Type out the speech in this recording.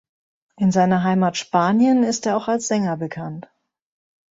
In seiner Heimat Spanien, ist er auch als Sänger bekannt.